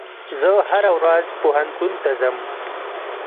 زه هره ورځ پوهنتون ته ځم.